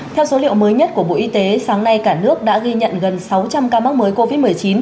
theo số liệu mới nhất của bộ y tế sáng nay cả nước đã ghi nhận gần sáu trăm linh ca mắc mới covid một mươi chín